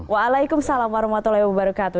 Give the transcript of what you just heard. waalaikumsalam warahmatullahi wabarakatuh